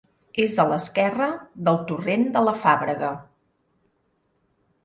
És a l'esquerra del torrent de la Fàbrega.